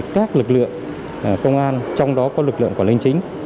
các lực lượng công an trong đó có lực lượng của linh chính